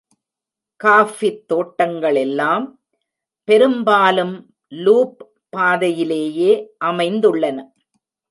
காஃபித் தோட்டங்களெல்லாம் பெரும்பாலும் லூப் பாதை யிலேயே அமைந்துள்ளன.